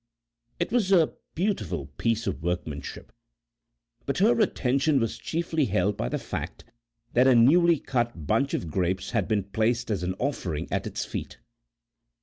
It was a beautiful piece of workmanship, but her attention was chiefly held by the fact that a newly cut bunch of grapes had been placed as an offering at its feet.